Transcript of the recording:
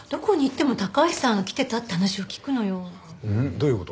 どういう事？